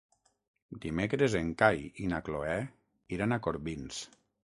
Dimecres en Cai i na Cloè iran a Corbins.